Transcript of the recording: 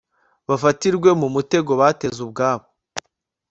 bafatirwe mu mutego bateze ubwabo